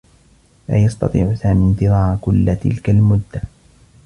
لا يستطيع سامي انتظار كلّ تلك المدّة.